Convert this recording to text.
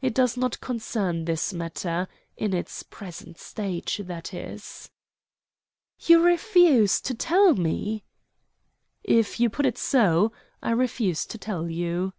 "It does not concern this matter in its present stage, that is." "You refuse to tell me?" "If you put it so, I refuse to tell you."